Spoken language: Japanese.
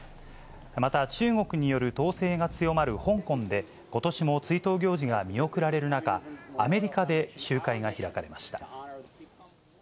また、中国による統制が強まる香港で、ことしも追悼行事が見送られる中、アメリカで集会が開かれました。